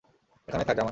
এখানেই থাক, জামা!